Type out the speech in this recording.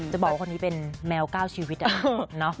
จะบอกว่าคนนี้เป็นแมวก้าวชีวิตอะเนาะ